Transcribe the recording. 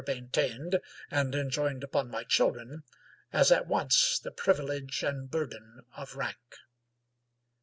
Weyman maintained, and enjoined upon my children, as at once the privilege and burden of rank.